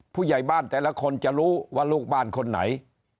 ผู้ใหญ่บ้านแต่ละคนจะรู้ว่าลูกบ้านคนไหน